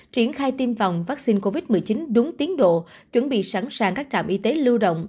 triển khai tiêm phòng vaccine covid một mươi chín đúng tiến độ chuẩn bị sẵn sàng các trạm y tế lưu động